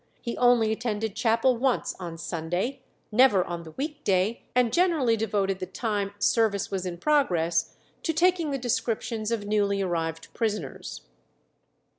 He only attended chapel once on Sunday, never on the week day, and generally devoted the time service was in progress to taking the descriptions of newly arrived prisoners.